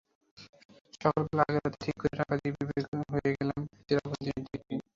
সকালবেলা আগের রাতে ঠিক করে রাখা জিপে বের হয়ে গেলাম চেরাপুঞ্জির দিকে।